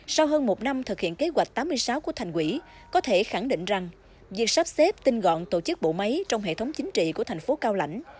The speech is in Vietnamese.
sau hơn một năm thực hiện kế hoạch tám mươi sáu của thành quỷ có thể khẳng định rằng việc sắp xếp tinh gọn tổ chức bộ máy trong hệ thống chính trị của thành phố cao lãnh